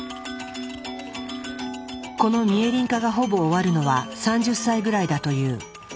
このミエリン化がほぼ終わるのは３０歳ぐらいだという。